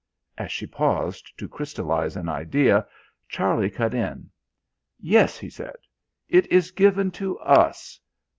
As she paused to crystallise an idea, Charlie cut in. "Yes," he said, "it is given to us....